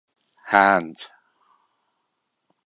Hand.